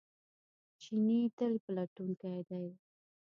چیني تل پلټونکی دی.